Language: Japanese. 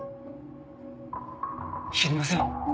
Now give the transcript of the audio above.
知りません。